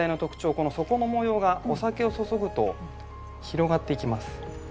この底の模様がお酒を注ぐと広がっていきます。